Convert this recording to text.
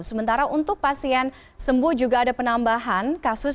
sementara untuk pasien sembuh juga ada penambahan kasus